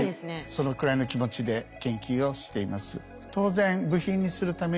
そのくらいの気持ちで研究をしています。